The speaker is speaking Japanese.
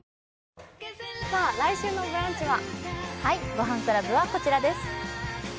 「ごはんクラブ」はこちらです。